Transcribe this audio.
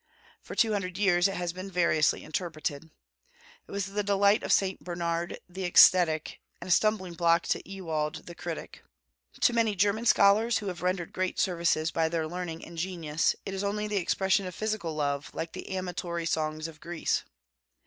For two hundred years it has been variously interpreted. It was the delight of Saint Bernard the ascetic, and a stumbling block to Ewald the critic. To many German scholars, who have rendered great services by their learning and genius, it is only the expression of physical love, like the amatory songs of Greece.